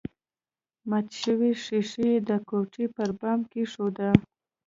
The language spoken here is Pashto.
ماته شوې ښيښه يې د کوټې پر بام کېښوده